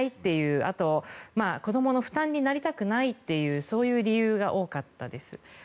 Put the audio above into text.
あと、子どもの負担になりたくないというそういう理由が多かったです。